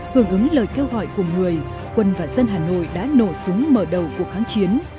với lời kêu gọi của người quân và dân hà nội đã nổ súng mở đầu cuộc kháng chiến